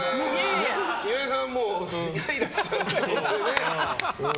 岩井さんはイライラしちゃって。